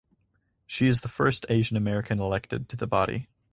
She is the first Asian American elected to the body.